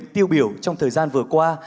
tiêu biểu trong thời gian vừa qua